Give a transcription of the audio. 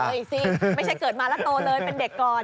อีกสิไม่ใช่เกิดมาแล้วโตเลยเป็นเด็กก่อน